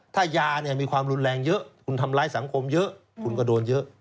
ถ้ายาเนี่ยมีความรุนแรงเยอะคุณทำร้ายสังคมเยอะคุณก็โดนเยอะ